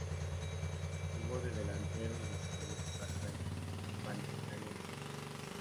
Jugó de delantero y desarrolló su carrera en Chile, España, Italia y Suiza.